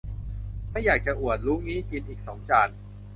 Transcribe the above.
ไม่อยากจะอวด รู้งี้กินอีกสองจาน